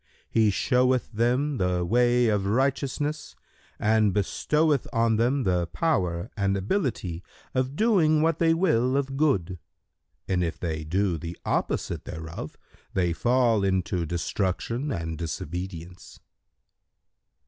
He showeth them the way of righteousness and bestoweth on them the power and ability of doing what they will of good: and if they do the opposite thereof, they fall into destruction and disobedience."